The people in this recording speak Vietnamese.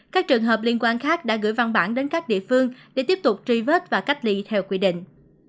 các trường hợp liên quan khác đã gửi văn bản đến các địa phương để tiếp tục truy vết và cách ly theo quy định